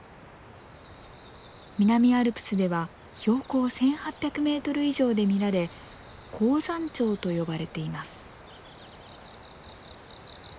南アルプスでは標高１，８００メートル以上で見られ「高山チョウ」と呼ばれています。